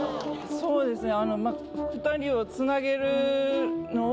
そうですね。